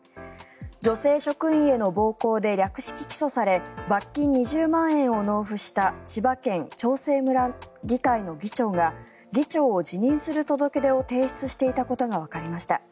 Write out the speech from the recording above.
女性職員への暴行で略式起訴され罰金２０万円を納付した千葉県長生村議会の議長が議長を辞任する届け出を提出していたことがわかりました。